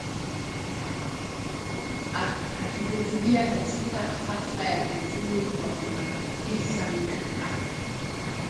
Akihutubia katika hafla ya kufuzu kwa maafisa mia tatu